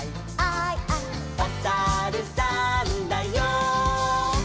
「おさるさんだよ」